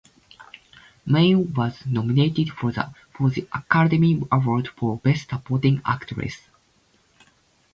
Main was nominated for the Academy Award for Best Supporting Actress.